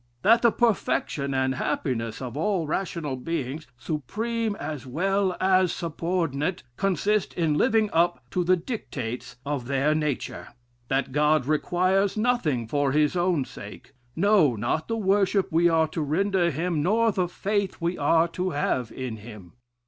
"That the perfection and happiness of all rational beings, supreme as well as subordinate, consist in living up to the dictates of their nature. "That God requires nothing for his own sake; no, not the worship we are to render him, nor the faith we are to have in him.